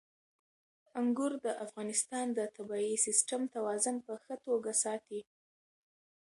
انګور د افغانستان د طبعي سیسټم توازن په ښه توګه ساتي.